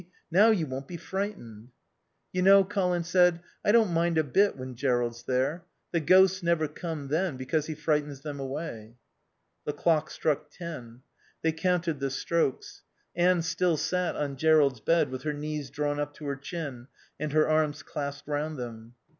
Now you won't be frightened." "You know," Colin said, "I don't mind a bit when Jerrold's there. The ghosts never come then, because he frightens them away." The clock struck ten. They counted the strokes. Anne still sat on Jerrold's bed with her knees drawn up to her chin and her arms clasped round them.